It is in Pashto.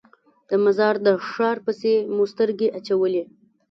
د مزار د ښار پسې مو سترګې اچولې.